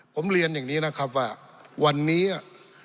ผมเรียนอย่างนี้นะครับว่าวันนี้อ่ะ